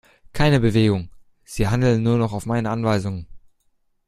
Keine Bewegung, sie handeln nur noch auf meine Anweisung!